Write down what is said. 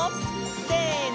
せの！